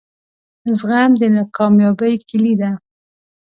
زغم دکامیابۍ کیلي ده